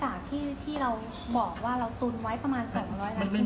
เดี๋ยวคอนอินยาส๖๐๐๑๗